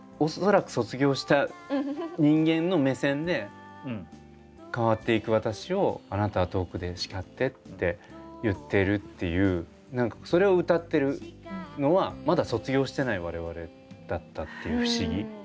恐らく卒業した人間の目線で「変わってゆく私をあなたは遠くでしかって」って言ってるっていうそれを歌ってるのはまだ卒業してない我々だったっていう不思議。